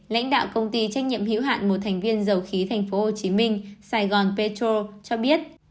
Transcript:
lãnh đạo công ty trách nhiệm hữu hạn một thành viên dầu khí tp hcm sài gòn petro cho biết